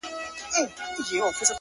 زما روح دي وسوځي وجود دي مي ناکام سي ربه